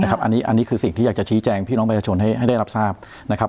อันนี้คือสิ่งที่อยากจะชี้แจงพี่น้องประชาชนให้ได้รับทราบนะครับ